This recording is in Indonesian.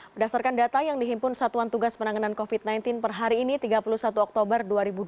berdasarkan data yang dihimpun satuan tugas penanganan covid sembilan belas per hari ini tiga puluh satu oktober dua ribu dua puluh